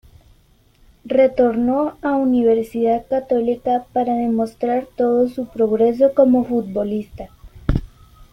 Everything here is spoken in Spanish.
Retornó a Universidad Católica para demostrar todo su progreso como futbolista.